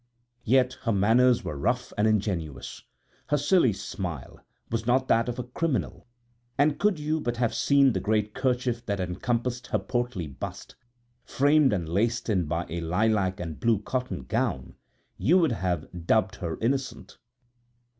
Yet her manners were rough and ingenuous her silly smile was not that of a criminal, and could you but have seen the great kerchief that encompassed her portly bust, framed and laced in by a lilac and blue cotton gown, you would have dubbed her innocent.